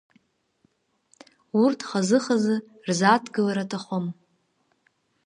Урҭ хазы-хазы рзааҭгылара аҭахым.